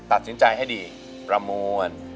ตัดสินใจให้ดีประมวล